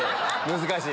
難しい。